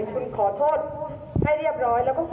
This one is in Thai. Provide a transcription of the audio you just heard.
แปลงครูได้พิสูจน์เห็นแล้วว่าเขาไม่แพ้